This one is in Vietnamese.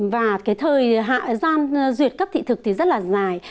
và cái thời gian duyệt cấp thị thực thì rất là dài